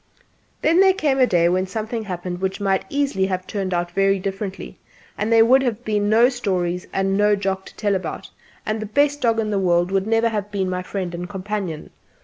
Then there came a day when something happened which might easily have turned out very differently, and there would have been no stories and no Jock to tell about; and the best dog in the world would never have been my friend and companion.